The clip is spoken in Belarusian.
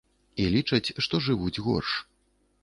І лічаць, што жывуць горш.